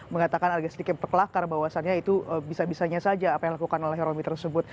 mengatakan agak sedikit berkelakar bahwasannya itu bisa bisanya saja apa yang dilakukan oleh romi tersebut